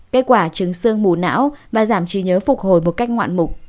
kết quả chứng sương bù não và giảm trí nhớ phục hồi một cách ngoạn mục